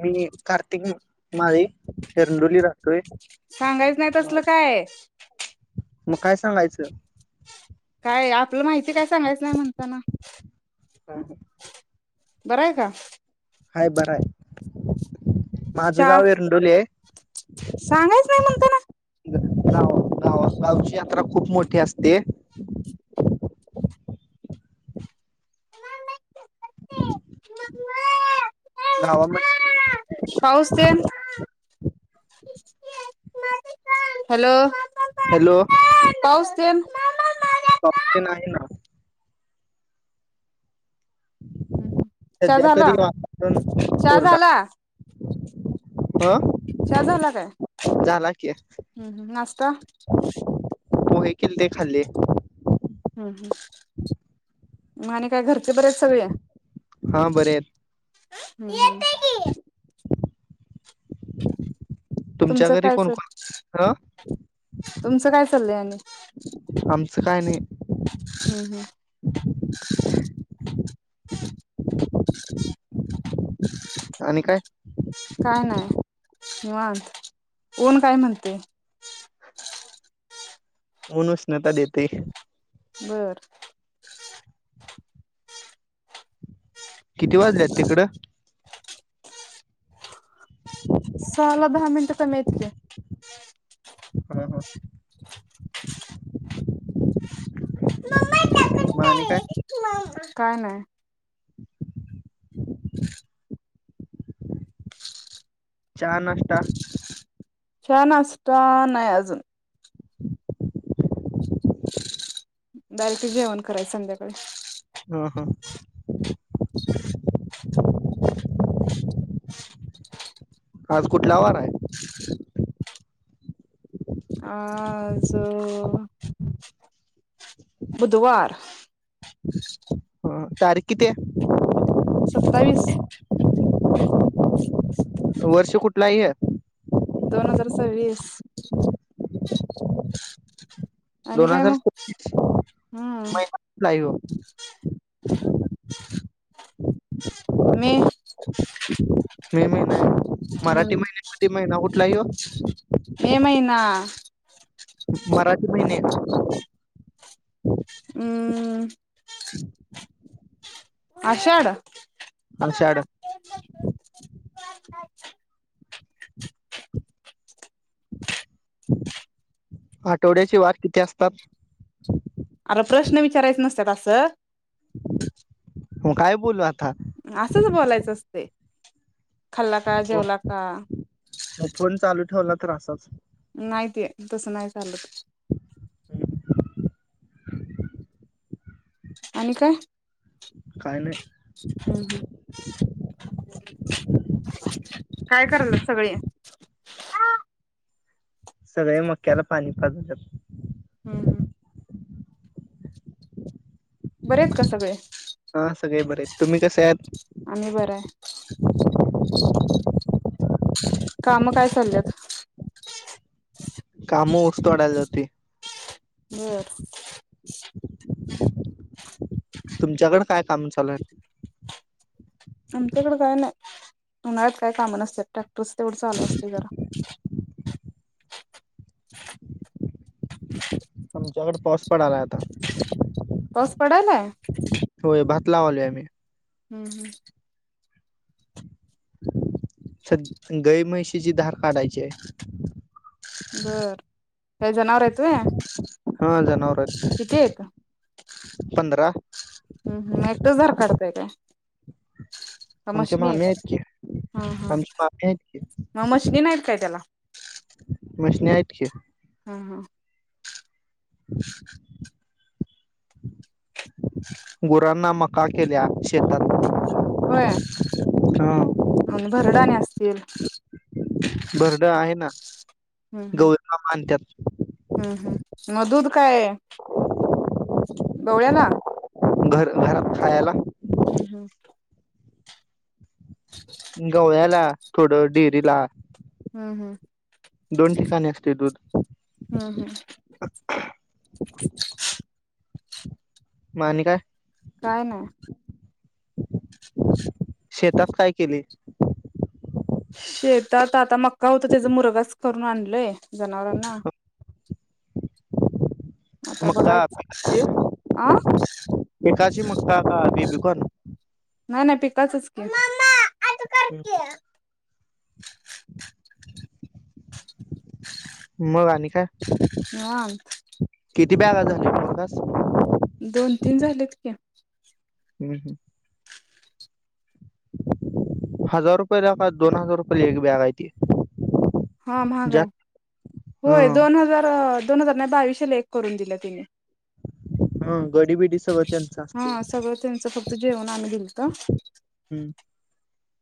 मी कार्तिक माझे येंडोली राहतोय. सांगायच नाही तसल काय. मग काय सांगायचं. काय आपलं माहिती काय सांगायचं नाही म्हणताना [unintelligible] बरंय का? हाय बराय. माझं चा गाव एरंडोली आहे. सांगायच नाही म्हणताना गाव गा गावची यात्रा खूप मोठी असते. [inaudible] गावामध्ये पाऊस तेन. हॅलो. हॅलो पाऊस तेन पाऊस तेन आहे ना. हम् चाह सध्या झाला तरी चाह झाला. हा. चाह झाला काय झाला‌ की. हम्म हम् नास्ता. पोहे केलते खाल्ले. हम् हम मग आणि काय घर बरे‌ आहेत सगळे. हा बरे आहेत येतय की. तुमच्या तुमचं घरी काय कोण चाल कोण हा तुमचं काय चालंय आणि आमचं काय नाही. हम्म हम्म आणि काय काय नाही निवांत ऊन काय म्हणतंय. ऊन उष्णता देतय. बरं. किती वाजलेत तिकड. [inaudible] सहाला दहा मिनटं कमी आहेत की. हां हां. म आणि काय. काय नाही. [inaudible] चहा नाष्टा. चहा नाष्टा नाही अजून. [inaudible] डायरेक्ट जेवण करायचं संध्याकाळी. ह ह [inaudible] आज कुठंला वार हाय. आज. बुधवार. ह तारीख किती हाय. सत्तावीस. वर्ष कुठला आहे हे. दोन हजार सवीस. आणि दोन काय हजार मग, सव्वीस हम्म. महिना कुठला आहे ह्यो मे. मे महिना. मराठी हम्म महिने मध्ये महिना कुठला कुठला हाय ह्यो. मे महिना. मराठी महिने. हम्म. आषाढ. [inaudible] आषाढ आठवड्याचे वार किती असतात. अरे प्रश्न विचारायच नसतात अस. मग काय बोलू, आ असंच बोलायचं असतय. [inaudible] खाल्ला का, मग जेवला का. मग फोन चालू ठेवला तर असाच. नाही ते तसं नाही चालत. [inaudible] आणि काय. काय नाही. हम हम. काय करायल्यात सगळे. सगळे मक्याला पाणी पाजायल्यात. हम. बरे आहेत का सगळे. हा सगळे बरे आहेत, तुम्ही कसे आहेत. आम्ही बरं हाय. काम काय चालल्यात. कामं ऊस तोडाय जाती. बर तुमच्याकड काय काम चालू आहे. आमच्याकड काय नाय उन्हाळ्यात काय कामं नसत्यात ट्रॅक्टरस तेवढं चालू असतय जरा आमच्याकड पाऊस पडालाय आता पाऊस पडालाय ते भात लावोलय आम्ही हुं हुं सद गई म्हैशीची धार काढायची हाय. बरं, काय जनावर हाईत होय. हा जनावर आहेत पंधरा हुं हुं मं एकटच धार काढतय काय? का आमचे मशीनी मामे आहेत की हा हा आमचे मामे आहेत की म मशीनी नाहीत काय त्याला मशनी आहेत की, हा हा गुरांना मका केल्या शेतात होय हा आणि भरडा ना स्तील बरडा आहे ना हुं हुं गवळ्याला मानतात हुं हुं म दूध काय गवळ्याला घर घरात खायाला. हुं हुं [inaudible] गवळ्याला थोड डेरीला हुं हुं दोन ठिकाणी असतय दूध हम्म हम्म हम्म [inaudible] म आणि काय काय नाय. शेतात काय केली? शेतात आता मक् का होत त्याचा मुरगास करून आणलंय जनावरांना आता मका बघायच आ [unintelligible] काची मक्का का बेबी कॉर्न नाय नाय पिकांचच की मम्मा [inaudible] मग आणि काय? ते बॅनर झालं की मगास दोन तीन झालेत क्या. होय हम्म. हजार रुपयला [unintelligible] दोन हजार रुपया एक बॅग आहे ती. हा महाग आहे. जास्त होय दोन ह हजार अ दोन हजार नाही बाविशेला एक करून दिला तिने. ह गडी बिडी सगळं त्यांचं असते हा सगळं त्यांचं फक्त जेवण आम्ही दिल. का? हम्म.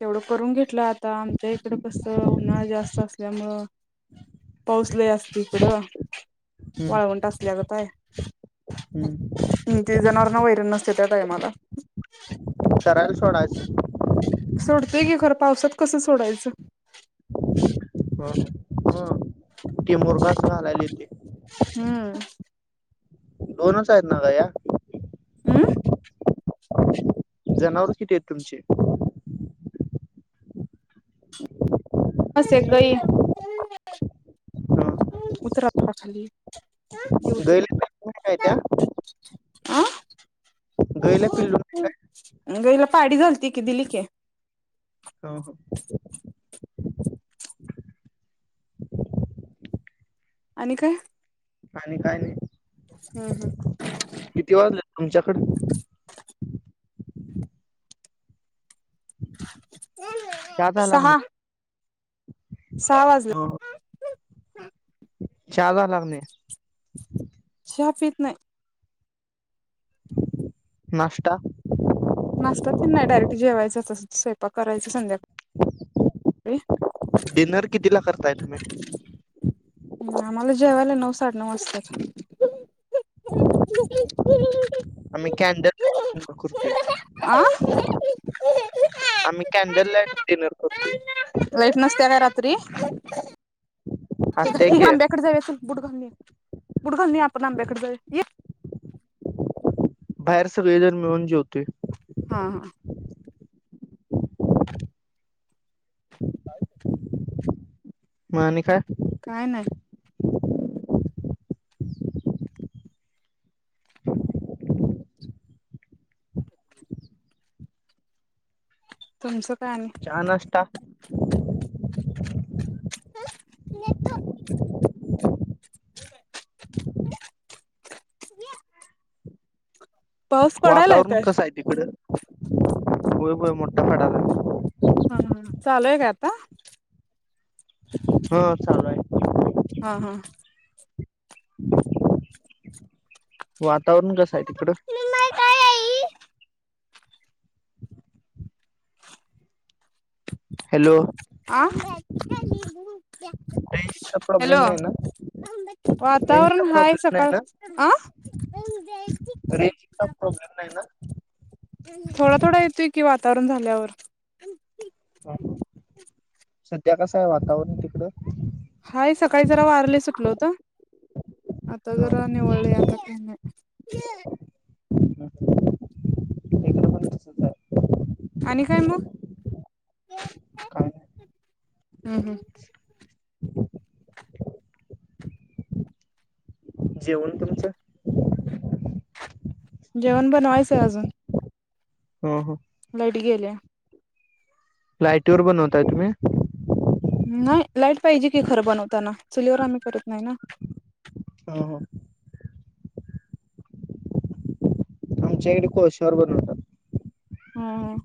तेवढं करून घे तल आता आमच्या इकड कसं उन्हाळा जास्त असल्यामुळे पाऊस लय असते इकडं हम्म वाळवंट असल्या गत हाय हम्म ते जनावरांना वैरण नसते त्या टायमाला. चरायला सोडायचं सोडतंय की खरं पावसा कसं सोडायचं. हम्म हम्म ते [unintelligible] घालायला येते. हम्म. दोनच आहेत म्हणा या. [unintelligible] जनावर किती येत तुमचे? बस एक गाई ये. [unintelligible] हा गैला पिल्लू नाही काय [unintelligible] आ. गैल पिल्लूनी काय. गईला पाडी झालती कि दिली की. हा हा. आणि काय? आणि काय नाही. हम्म हम्म. आमच्याकडे [unintelligible] चहा झाला की सहा नाही. सहा हा वाजलेत. चहा झाला की नाही. चहा पीत नाही. नाष्टा. नाष्टा पण नाही डायरेक्ट जेवायचं असतं स्वयंपाक करायचं संध्या डिनर कितीला करताय तुम्ही. हम्म आम्हाला जेवायला नऊ साडे नऊ वासत्यात. आम्ही कॅण्डल लाईट डिनर करतो ये आ आम्ही कॅण्डल लाईट डिनर करतो ये. त्री हसताय ही की आंब्याकडे जाऊया चल बूट घालून या. बूट घालून या आपण आंब्याकडे जाऊया ये. बाहेर सगळे जण मिळून जेवतोय. हा हा. काय [unintelligible] मग आणि काय काय नाही. [unintelligible] तुमचं? काय आणि चहा, नाष्टा पाऊस पडायलाय वातावरण काय कसं आहे तिकडं. होय-होय मोठा पडला. हा हा चालू हाय का आता. हा चालू आहे. हा हा. वातावरण कस आहे तिकडं? हॅलो. आ [unintelligible] प्रॉब्लेम हॅलो नाही ना रेंजचा वातावरण हाय प्रॉब्लेम नाही सकाळ ना आ रेंजचा प्रॉब्लेम नाही [unintelligible] थोडा-थोडा येतोय कि ओ आता. तरुण झाल्यावर [unintelligible] सध्या कस आहे वातावरण तिकडं. हाय सकाळी जरा वार लय सुटल होत आता जरा निवळलय आता काही नाही. इकडं पण तसंच आहे आणि काय मग [unintelligible] काय नाही हम्म हम्म. जेवण तुमचं [unintelligible] जेवण बनवायचं अजून हो हो. लाईट गेलेया. लाईटीवर बनवताय तुम्ही. नाही लाईट पाहिजे की खरं बनवताना. चुलीवर आम्ही करत नाही ना. हा हा. आमच्या इड कोळशावर बनवतात. हम्म हम.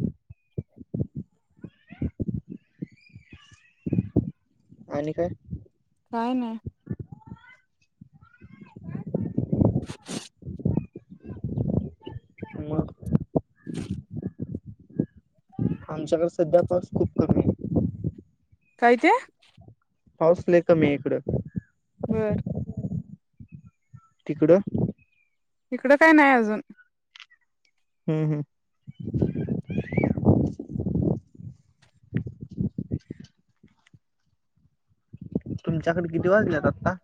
आणि काय? काय नाय. [unintelligible] मग [unintelligible] आमच्याकडे सध्या पाऊस खूप कमी आहे. काय ते! पाऊस लय कमी हय इकडं. घर तिकडं? इकडं काय नाय अजून हं हंम्म. तुमच्याकड किती वाजलेत आता?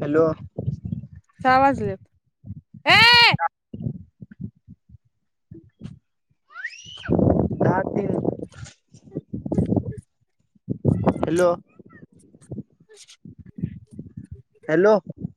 हॅलो सहा वाजलेत. दहा तीन हॅलो हम् [inaudible] हॅलो